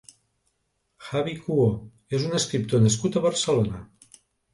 Javi Cuho és un escriptor nascut a Barcelona.